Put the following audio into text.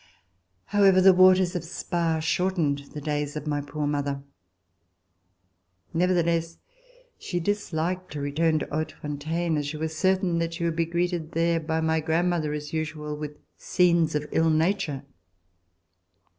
However, the waters of Spa shortened the days of my poor mother. Nevertheless, she disliked to return to Hautefontaine, as she was certain that she would be greeted there by my grandmother, as usual, with scenes of ill nature.